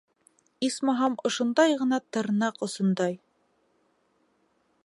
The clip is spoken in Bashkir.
Исмаһам, ошондай ғына тырнаҡ осондай...